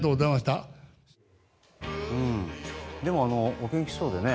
お元気そうで。